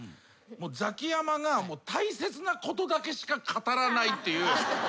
ザキヤマが大切なことだけしか語らないっていう。